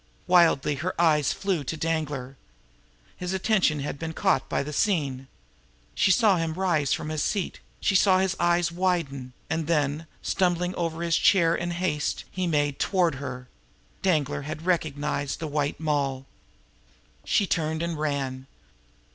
Wildly her eyes flew to Danglar. His attention had been attracted by the scene. She saw him rise from his seat; she saw his eyes widen and then, stumbling over his chair in his haste, he made toward her. Danglar had recognized the White Moll! She turned and ran.